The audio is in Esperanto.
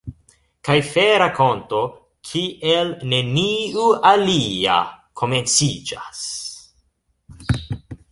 Kaj fe-rakonto kiel neniu alia komenciĝas...